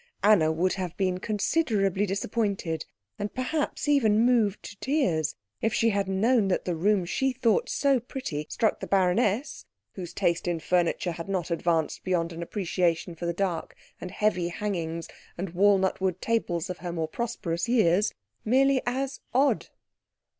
Anna would have been considerably disappointed, and perhaps even moved to tears, if she had known that the room she thought so pretty struck the baroness, whose taste in furniture had not advanced beyond an appreciation for the dark and heavy hangings and walnut wood tables of her more prosperous years, merely as odd.